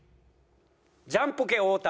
ジャンポケ太田。